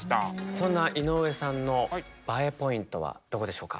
そんな井上さんのＢＡＥポイントはどこでしょうか？